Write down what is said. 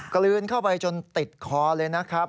กลืนเข้าไปจนติดคอเลยนะครับ